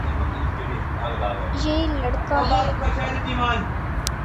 یے لڑکا ہے